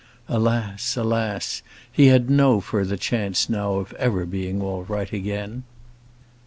Alas, alas! he had no further chance now of ever being all right again.